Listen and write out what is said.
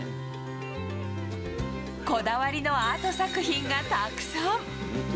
こだわりのアート作品がたくさん。